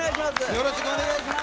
よろしくお願いします。